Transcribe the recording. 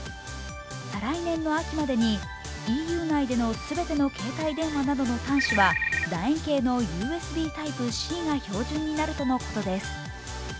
再来年の秋までにＥＵ内での全ての携帯電話などの端子は楕円形のＵＳＢタイプＣが標準になるということです。